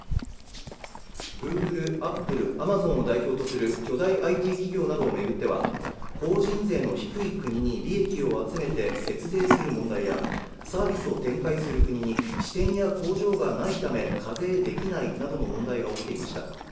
グーグル、アップル、アマゾンを代表とする巨大ＩＴ企業などを巡っては法人税の低い国に利益を集めて節税する問題やサービスを展開する国に支店や工場がないため課税できないなどの問題が起きていました